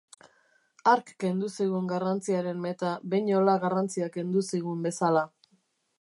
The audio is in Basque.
Hark kendu zigun garrantziaren meta, behinola garrantzia kendu zigun bezala.